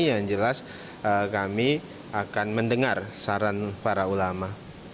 yang jelas kami akan mendengar saran para ulama